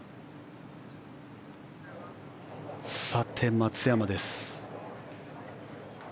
松山です。